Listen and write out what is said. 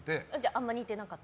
あまり似てなかった？